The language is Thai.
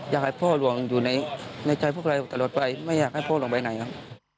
อยากให้พ่อหลวงอยู่ในใจพวกเราตลอดไปไม่อยากให้พ่อลงไปไหนครับ